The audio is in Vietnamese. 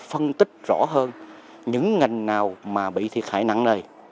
phân tích rõ hơn những ngành nào mà bị thiệt hại nặng nề